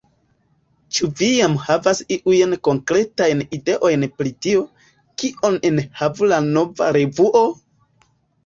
Ĉu vi jam havas iujn konkretajn ideojn pri tio, kion enhavu la nova revuo?